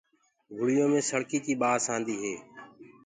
گُݪيو مي سݪڪيٚ ڪيٚ ٻآس آندي هي۔